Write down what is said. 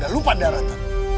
jangan lupa darat lo